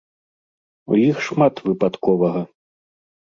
У іх шмат выпадковага.